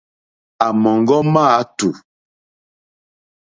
À mɔ̀ŋɡɔ́ máàtù,.